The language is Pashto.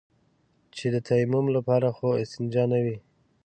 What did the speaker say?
چې د تيمم لپاره خو استنجا نه وي.